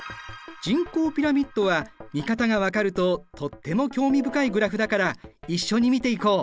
人口ピラミッドは見方が分かるととっても興味深いグラフだから一緒に見ていこう！